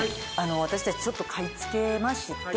私たちちょっと買い付けまして。